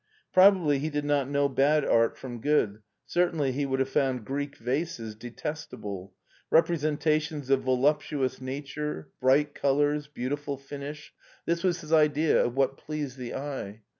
Probably he did not know bad art from ^od. certainly he would have found Greek vases detestable : representations of voluptuous nature, bright colors, beautiful finish, this was his idea SCHWARZWALD 271 of what pleased the eye.